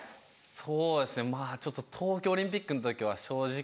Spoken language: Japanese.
そうですねまぁちょっと東京オリンピックの時は正直。